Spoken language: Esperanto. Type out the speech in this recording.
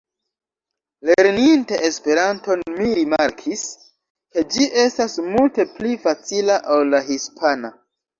Lerninte Esperanton mi rimarkis, ke ĝi estas multe pli facila ol la hispana.